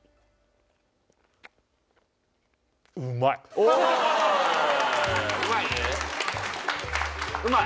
おうまい？